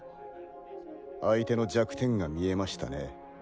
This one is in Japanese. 相手の弱点が見えましたね。